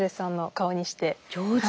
上手！